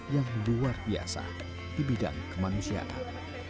yang luar biasa di bidang kemanusiaan